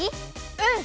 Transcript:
うん！